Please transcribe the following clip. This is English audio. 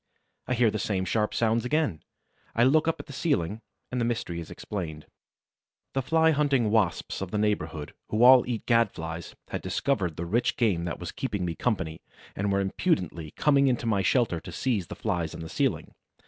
I hear the same sharp sounds again. I look up at the ceiling and the mystery is explained. The Fly hunting Wasps of the neighborhood, who all eat Gad flies, had discovered the rich game that was keeping me company and were impudently coming into my shelter to seize the Flies on the ceiling.